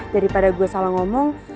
daripada gue salah ngomong